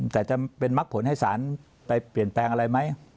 แต่จะเป็นมักผลให้สารไปเปลี่ยนแปลงอะไรไหม